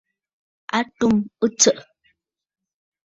A tum ɨtsə̀ʼə̀.